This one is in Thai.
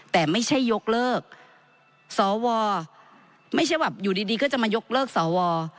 แต่ไม่ใช่ยกเลิกสวไม่ใช่แบบอยู่ดีก็จะมายกเลิกสว